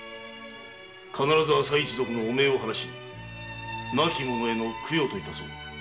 必ず朝井一族の汚名を晴らし亡き者への供養と致そう。